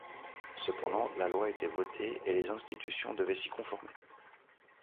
Cependant, la loi était votée, et les institutions devaient s’y conformer.